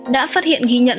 đã phát hiện ghi nhận